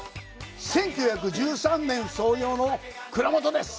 １９１３年創業の蔵元です。